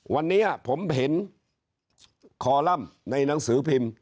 วันนี้ผมเห็นคอลัมป์ในหนังสือพิมพ์